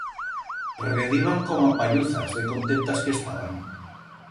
Rediban coma palluzas de contentas que estaban.